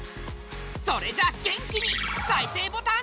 それじゃあ元気に再生ボタン。